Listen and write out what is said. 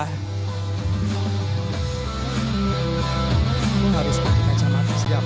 ini kan yang di kacamata